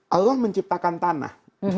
allah menciptakan tanah